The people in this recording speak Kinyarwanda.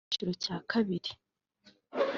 Mu cyiciro cya kabiri